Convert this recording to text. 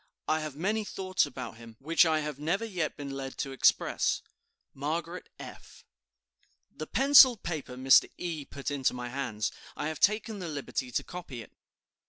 I have many thoughts about him, which I have never yet been led to express. "MARGARET F. "The penciled paper Mr. E. put into my hands. I have taken the liberty to copy it.